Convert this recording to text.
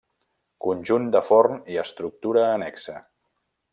Conjunt de forn i estructura annexa.